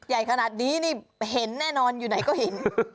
ใหญ่ขนาดนี้นี่เห็นแน่นอนอยู่ไหนก็เห็น